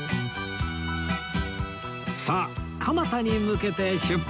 さあ蒲田に向けて出発！